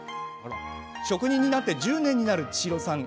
職人になって１０年になる千尋さん。